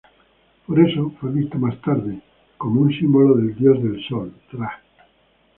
Por eso, fue visto más tarde, como un símbolo del dios del sol, Ra.